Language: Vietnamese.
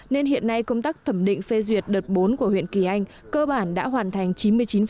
nên hiện nay công tác thẩm định phê duyệt đợt bốn của huyện kỳ anh cơ bản đã hoàn thành chín mươi chín